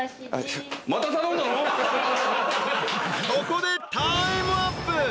［ここでタイムアップ］